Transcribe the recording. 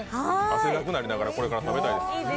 汗だくになりながら、これからやりたいです。